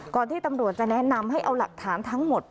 ที่ตำรวจจะแนะนำให้เอาหลักฐานทั้งหมด